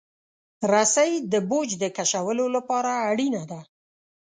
رسۍ د بوج د کشولو لپاره اړینه ده.